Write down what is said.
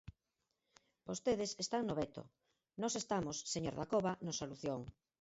Vostedes están no veto; nós estamos, señor Dacova, na solución.